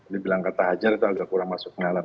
dibilang kata hajar itu agak kurang masuk malar